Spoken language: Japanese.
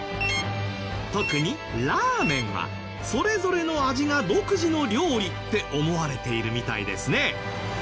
特にラーメンはそれぞれの味が独自の料理って思われているみたいですね。